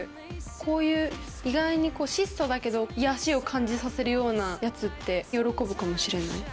こういう意外に質素だけど癒やしを感じさせるようなやつって喜ぶかもしれない。